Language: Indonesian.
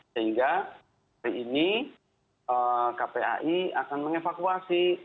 sehingga hari ini kpai akan mengevakuasi